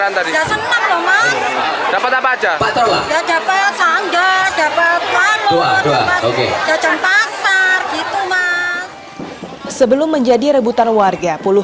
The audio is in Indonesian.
gimana perasaan ikut barang tadi